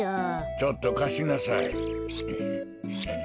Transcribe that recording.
ちょっとかしなさい。